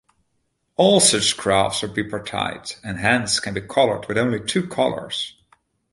All such graphs are bipartite, and hence can be colored with only two colors.